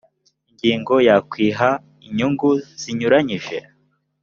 ingingo ya kwiha inyungu zinyuranyije